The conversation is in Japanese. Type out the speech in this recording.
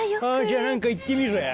じゃ何か言ってみろよ。